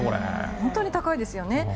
本当に高いですよね。